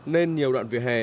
nên nhiều đoạn vỉa hè